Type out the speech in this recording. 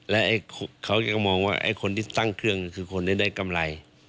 และเขาก็มองว่าไอ้คนที่ตั้งเครื่องคือคนที่ได้กำไร